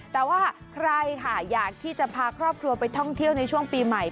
แต่ว่าใครค่ะอยากที่จะพาครอบครัวไปท่องเที่ยวในช่วงปีใหม่